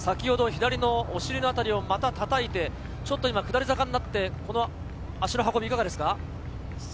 左のお尻の辺りをまた叩いて、ちょっと下り坂になって足の運びいかがですか？